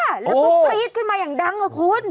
แล้วก็กรี๊ดขึ้นมาอย่างดังอะคุณ